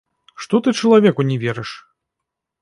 Што ты чалавеку не верыш?